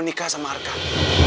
di mana bisa menghasilkan